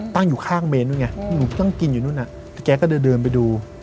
ตั้งอยู่ข้างเมนนู่นไงหนูต้องกินอยู่นู่นน่ะแกก็เดินไปดู